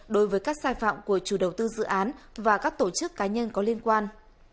đối với các sai phạm của chủ đầu tư dự án và các tổ chức cá nhân có liên quan